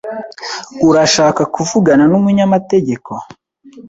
Urashaka kuvugana numunyamategeko?